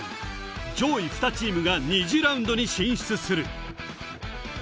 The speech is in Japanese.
上位２チームが２次ラウンドに進出する。